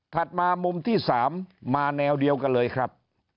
มามุมที่๓มาแนวเดียวกันเลยครับ